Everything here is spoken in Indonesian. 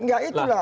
ya itu lah